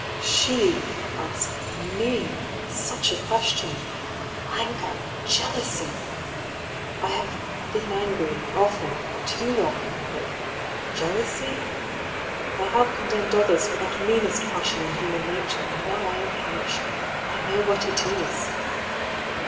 She asked me such a question ! Anger, jealousy ! I have been angry often, too often — ^but jealousy ? I have condemned others for that meanest passion in human nature, and now I am punished. I know what it is